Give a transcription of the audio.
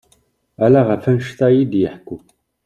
Ala ɣef wannect-a iyi-d-iḥekku.